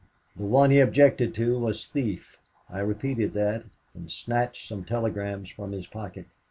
The one he objected to was thief... I repeated that, and snatched some telegrams from his pocket.